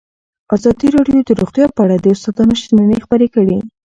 ازادي راډیو د روغتیا په اړه د استادانو شننې خپرې کړي.